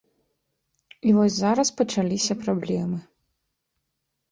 І вось зараз пачаліся праблемы.